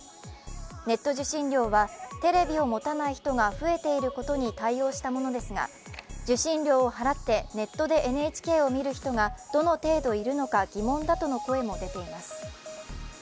ネット受信料はテレビを持たない人が増えていることに対応したものですが受信料を払ってネットでＮＨＫを見る人がどの程度いるのか疑問だとの声も出ています。